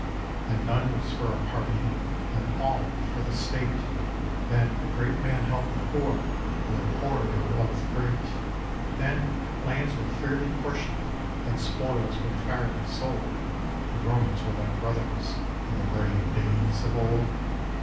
Then none was for a party; Then all were for the state; Then the great man helped the poor, And the poor man loved the great: Then lands were fairly portioned; Then spoils were fairly sold: The Romans were like brothers In the brave days of old.